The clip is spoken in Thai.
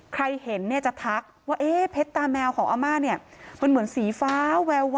ใครเห็นเนี่ยจะทักว่าเพชรตาแมวของอาม่าเนี่ยมันเหมือนสีฟ้าแวว